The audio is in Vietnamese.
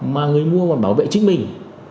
mà người mua còn bảo vệ chính mình